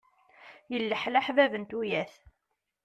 Yelleḥleḥ bab n tuyat.